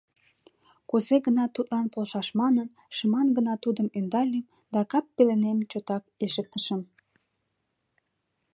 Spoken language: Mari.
Кузе-гынат тудлан полшаш манын, шыман гына тудым ӧндальым да кап пеленем чотак ишыктышым.